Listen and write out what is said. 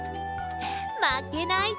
まけないぞ！